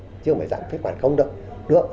chứ không phải giãn phế quản không đâu